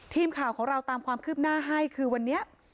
ทีมข่าวของเราตามความคืบหน้าให้คือวันนี้